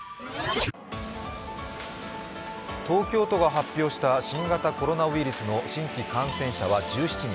東京都が発表した新型コロナウイルスの新規感染者は１７人。